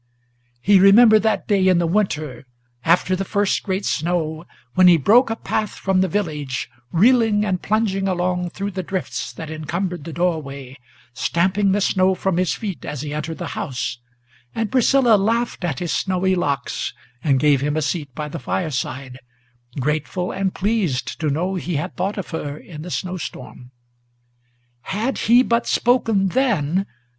He remembered that day in the winter, After the first great snow, when he broke a path from the village, Reeling and plunging along through the drifts that encumbered the doorway, Stamping the snow from his feet as he entered the house, and Priscilla Laughed at his snowy locks, and gave him a seat by the fireside, Grateful and pleased to know he had thought of her in the snow storm. Had he but spoken then!